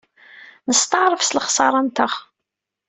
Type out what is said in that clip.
Nesteɛṛef s lexṣara-nteɣ.